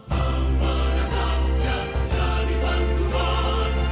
pamanatang yang jadi panggungan